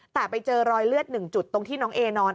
แต่ไปเจอรอยเลือด๑จุดตรงที่น้องเอนอน